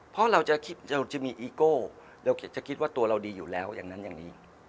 เพราะเราจะคิดเราจะมีอีโก้เราจะคิดว่าตัวเราดีอยู่แล้วอย่างนั้นอย่างนี้